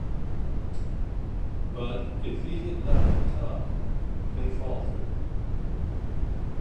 But if he had not come they faltered.